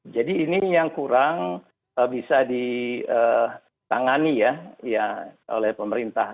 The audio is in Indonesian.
jadi ini yang kurang bisa ditangani ya oleh pemerintah